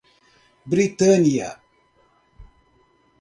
Britânia